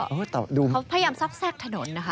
แล้วก็พยายามซับแซกถนน